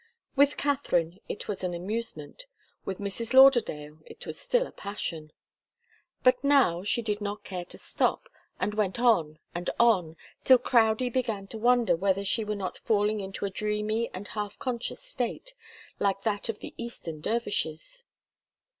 With Katharine it was an amusement; with Mrs. Lauderdale it was still a passion. But now she did not care to stop, and went on and on, till Crowdie began to wonder whether she were not falling into a dreamy and half conscious state, like that of the Eastern dervishes.